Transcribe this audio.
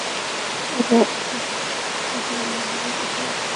ওরা ওকে সাধারণভাবেই দেখেছে।